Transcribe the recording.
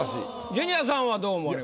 ジュニアさんはどう思われますか？